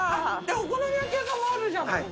お好み焼き屋さんもあるじゃんか。